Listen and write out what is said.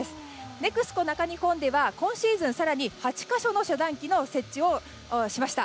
ＮＥＸＣＯ中日本では今シーズン、すでに８か所の遮断機の設置を進めました。